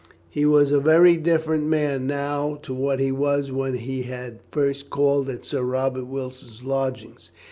He was a very different man now to what he was when he had first called at Sir Robert Wilson's lodgings.